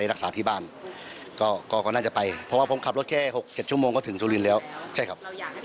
เราอยากให้ไปถึงแม่เร็วใช่ครับ